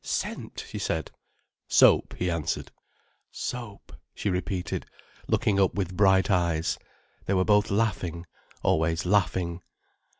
"Scent," she said. "Soap," he answered. "Soap," she repeated, looking up with bright eyes. They were both laughing, always laughing.